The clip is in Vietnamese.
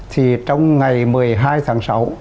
thì trong ngày một mươi hai tháng sáu